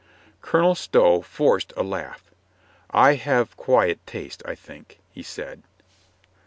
Colonel Stow forced a laugh. "I have quiet tastes, I think," he said.